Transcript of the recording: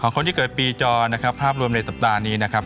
คนที่เกิดปีจอนะครับภาพรวมในสัปดาห์นี้นะครับ